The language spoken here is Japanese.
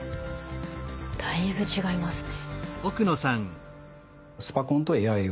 だいぶ違いますね。